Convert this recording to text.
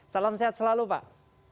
salam sehat selalu pak